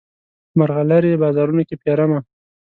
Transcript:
مرغلرې بازارونو کې پیرمه